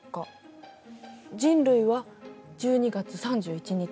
人類は１２月３１日。